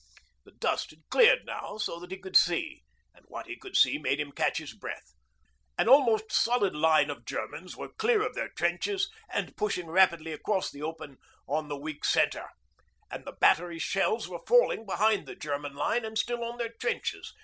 The dust had cleared now, so that he could see. And what he could see made him catch his breath. An almost solid line of Germans were clear of their trenches and pushing rapidly across the open on the weak centre. And the Battery's shells were falling behind the German line and still on their trenches.